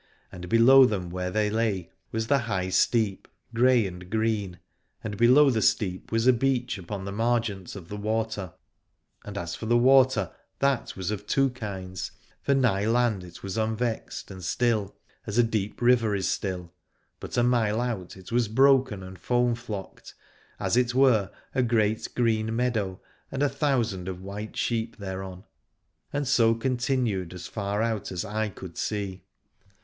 And below them where they lay was the high steep, grey and green : and below the steep was a beach upon the margent of the water. And as for the water, that was of two kinds, for nigh land it was unvexed and still, as a deep river is still: but a mile out it was broken and foam flocked, as it were a great green meadow and a thousand of white sheep thereon, and so continued as far out as eye could see.